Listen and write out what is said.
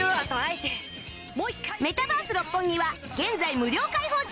メタバース六本木は現在無料開放中！